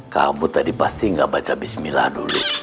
kamu tadi pasti gak baca bismillah dulu